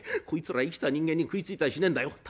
こいつら生きた人間に食いついたりしねえんだよ。